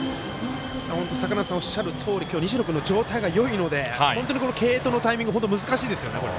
本当に坂梨さんがおっしゃるように今日は西野君の状態がいいので本当に、継投のタイミング難しいですよね。